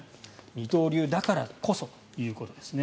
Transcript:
二刀流だからこそということですね。